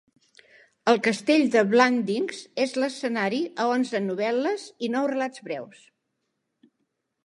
El castell de Blandings és l'escenari a onze novel·les i nou relats breus.